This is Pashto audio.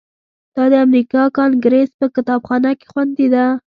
دا د امریکا کانګریس په کتابخانه کې خوندي ده.